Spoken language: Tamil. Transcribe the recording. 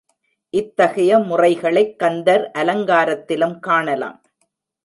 இத்தகைய முறைகளைக் கந்தர் அலங்காரத்திலும் காணலாம்.